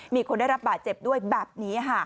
มีคนได้รับบาดเจ็บด้วยแบบนี้ค่ะ